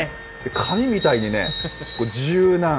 紙みたいにね、これ、柔軟。